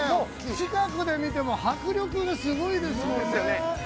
近くで見ても迫力がすごいですもんね。